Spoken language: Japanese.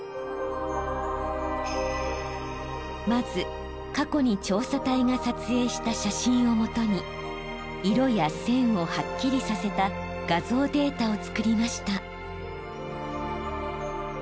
まず過去に調査隊が撮影した写真をもとに色や線をはっきりさせた画像データを作りました。